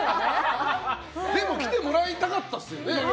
でも来てもらいたかったですよね。